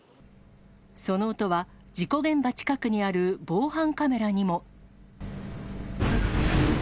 その音は事故現場近くにある防犯カメラにも。